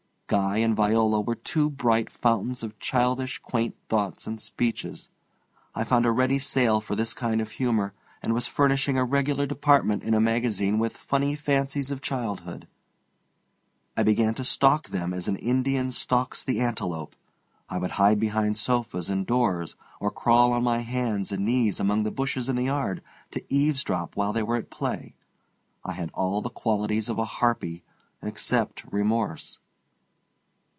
Guy and Viola were two bright fountains of childish, quaint thoughts and speeches. I found a ready sale for this kind of humor, and was furnishing a regular department in a magazine with "Funny Fancies of Childhood." I began to stalk them as an Indian stalks the antelope. I would hide behind sofas and doors, or crawl on my hands and knees among the bushes in the yard to eavesdrop while they were at play. I had all the qualities of a harpy except remorse.